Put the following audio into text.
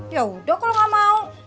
yaudah kalau gak mau